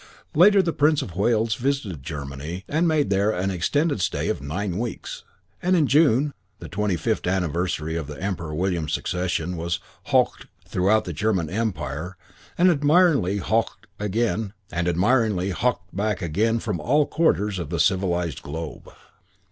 Later the Prince of Wales visited Germany and made there an extended stay of nine weeks; and in June the twenty fifth anniversary of the Emperor William's accession was "Hoch'd" throughout the German Empire and admiringly "Hoch'd" back again from all quarters of the civilised globe.